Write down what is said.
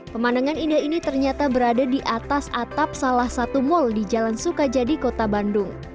pemandangan indah ini ternyata berada di atas atap salah satu mal di jalan sukajadi kota bandung